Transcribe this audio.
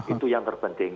itu yang terpenting